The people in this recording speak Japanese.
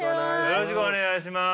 よろしくお願いします。